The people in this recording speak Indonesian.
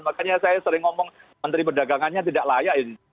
makanya saya sering ngomong menteri perdagangannya tidak layak